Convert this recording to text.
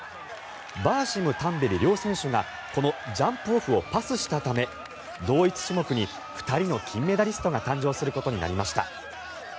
バーシム、タンベリ両選手がこのジャンプオフをパスしたため同一種目に２人の金メダリストが誕生することになりました。